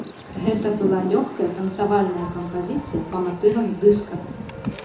Гэта была лёгкая танцавальная кампазіцыя па матывах дыска.